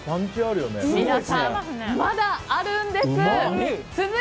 皆さん、まだあるんです。